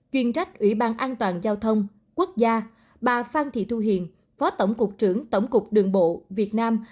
chuyên trách ủy ban an toàn giao thông quốc gia bà phan thị thu hiền phó tổng cục trưởng tổng cục đường bộ việt nam